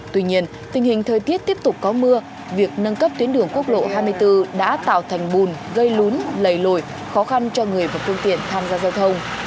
tuy nhiên tình hình thời tiết tiếp tục có mưa việc nâng cấp tuyến đường quốc lộ hai mươi bốn đã tạo thành bùn gây lún lầy lồi khó khăn cho người và phương tiện tham gia giao thông